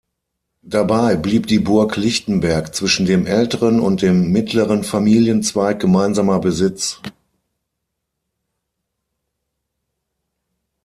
Dabei blieb die Burg Lichtenberg zwischen dem älteren und dem mittleren Familienzweig gemeinsamer Besitz.